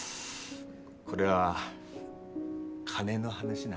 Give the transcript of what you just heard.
これは金の話な？